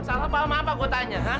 salah paham apa gue tanya